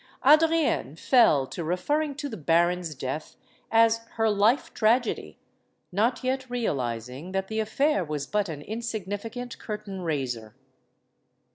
Adrienne fell to referring to the baron's death as her life tragedy, not yet realizing that the affair was but an insignificant curtain raiser.